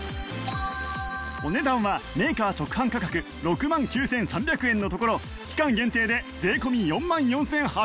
お値段はメーカー直販価格６万９３００円のところ期間限定で税込４万４８００円